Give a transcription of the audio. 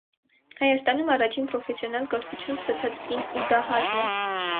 Հայաստանում առաջին պրոֆեսիոնալ կրթություն ստացած կին ուդահարն է։